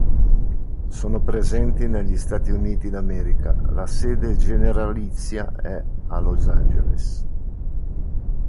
Sono presenti negli Stati Uniti d'America; la sede generalizia è a Los Angeles.